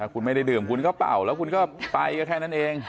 คุณไม่ได้ดื่มคุณก็เป่าแล้วคุณก็ไปก็แค่นั้นเอง